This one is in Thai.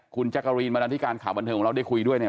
คุณจักรีนบรรดาธิการข่าวบันเทิงของเราได้คุยด้วยเนี่ย